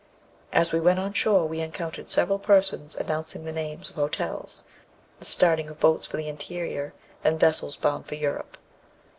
As we went on shore we encountered several persons announcing the names of hotels, the starting of boats for the interior, and vessels bound for Europe.